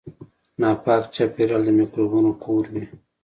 ناپاک چاپیریال د میکروبونو کور وي.